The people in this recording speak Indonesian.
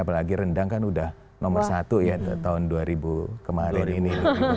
apalagi rendang kan udah nomor satu ya tahun dua ribu kemarin ini